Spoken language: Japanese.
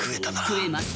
食えます。